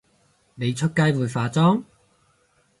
你出街會化妝？